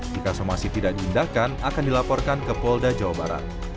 jika somasi tidak diindahkan akan dilaporkan ke polda jawa barat